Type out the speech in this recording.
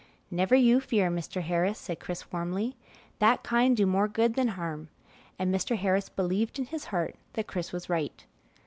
"Never you fear, Mr. Harris," said Chris warmly; "that kind do more good than harm;" and Mr. Harris believed in his heart that Chris was right.